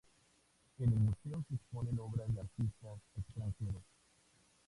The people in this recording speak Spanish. En el museo se exponen obras de artistas extranjeros.